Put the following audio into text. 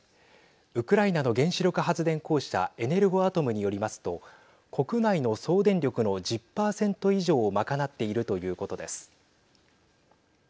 ウクライナの原子力発電公社エネルゴアトムによりますと国内の総電力の１０％以上を賄っているということです。